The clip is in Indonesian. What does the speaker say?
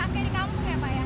oke di kampung ya pak ya